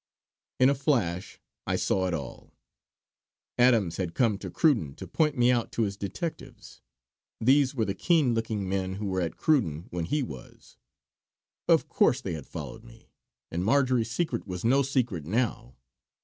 In a flash I saw it all. Adams had come to Cruden to point me out to his detectives. These were the keen looking men who were at Cruden when he was. Of course they had followed me, and Marjory's secret was no secret now.